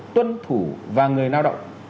tuân thủ và người lao động